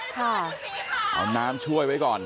เอาน้ำช่วยไว้ก่อน